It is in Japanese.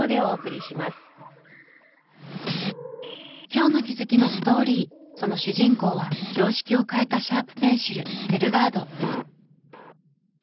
今日の気づきのストーリーその主人公は常識を変えたシャープペンシルデルガード。